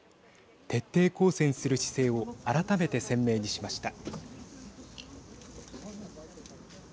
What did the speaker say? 徹底抗戦する姿勢を改めて鮮明にしました。